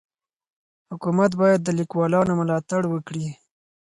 حکومت باید د لیکوالانو ملاتړ وکړي.